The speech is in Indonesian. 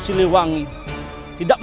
scheibang itu adalah